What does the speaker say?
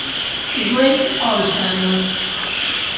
Grete Olsen